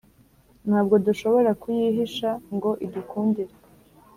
ntabwo dushobora kuyihisha ngo idukundire.